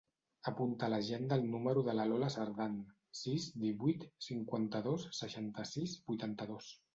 Apunta a l'agenda el número de la Lola Cerdan: sis, divuit, cinquanta-dos, seixanta-sis, vuitanta-dos.